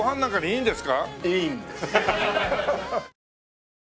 いいんです。